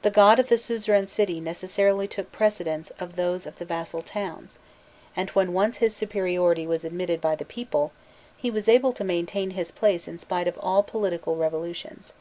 The god of the suzerain city necessarily took precedence of those of the vassal towns, and when once his superiority was admitted by the people, he was able to maintain his place in spite of all political revolutions.